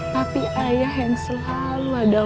papi ayah yang selalu ada wajah